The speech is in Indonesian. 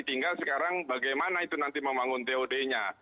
tinggal sekarang bagaimana itu nanti membangun tod nya